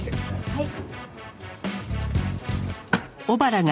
はい。